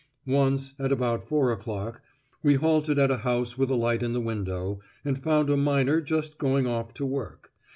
Once, at about four o'clock, we halted at a house with a light in the window, and found a miner just going off to work.